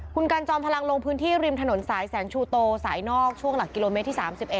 คุณกันจอมพลังลงพื้นที่ริมถนนสายแสงชูโตสายนอกช่วงหลักกิโลเมตรที่๓๑